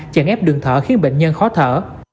chẳng ép đường thở khiến bệnh nhân khó thở